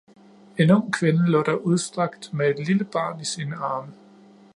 En ung kvinde lå der udstrakt med et lille barn i sine arme